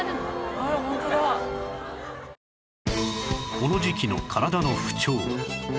この時期の体の不調